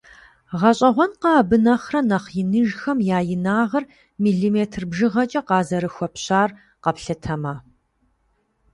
ГъэщӀэгъуэнкъэ, абы нэхърэ нэхъ иныжхэм я инагъыр милиметр бжыгъэкӀэ къазэрыхуэпщар къэплъытэмэ?!